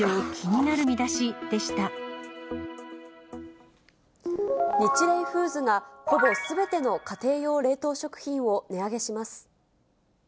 ニチレイフーズが、ほぼすべての家庭用冷凍食品を値上げします。